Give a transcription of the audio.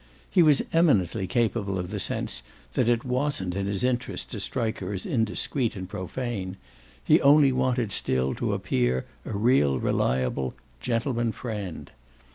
He was eminently capable of the sense that it wasn't in his interest to strike her as indiscreet and profane; he only wanted still to appear a real reliable "gentleman friend."